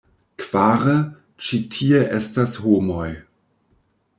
Kvare, ĉi tie estas homoj.